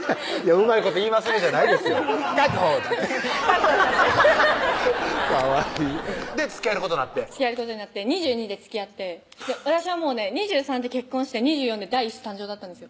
「うまいこと言いますね」じゃないですよ「確保！」じゃないかわいいでつきあえることなってつきあえることになって２２でつきあって私はもうね２３で結婚して２４で第一子誕生だったんですよ